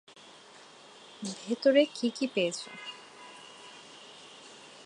ভেতরে কী কী পেয়েছো?